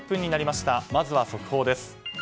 まずは速報です。